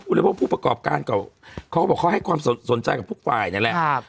พูดแล้วพวกผู้ประกอบการเขาบอกเขาให้ความสนใจกับพวกฝ่ายนี่แหละครับ